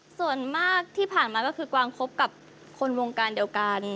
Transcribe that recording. ส่วนมากที่ผ่านมาก็คือกวางคบกับคนวงการเดียวกัน